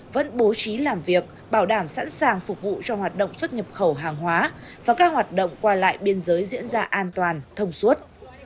vẫn bố trí làm việc bảo đảm sẵn sàng phục vụ cho hoạt động xuất nhập khẩu hàng hóa và các hoạt động qua lại biên giới diễn ra an toàn thông suốt